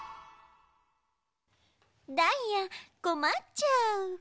ダイヤこまっちゃう。